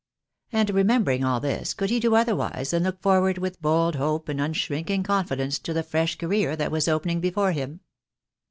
And remembering all this, could he do otherwise than look forward with bold hope and un shrinking confidence to the fresh career that was opening before him?